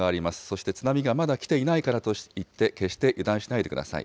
そして津波がまだ来ていないからといって、決して油断しないでください。